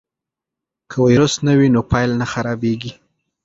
که ویروس نه وي نو فایل نه خرابېږي.